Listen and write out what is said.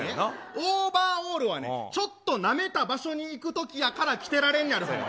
オーバーオールは、ちょっとなめた場所に行くときやから着てられんやろ。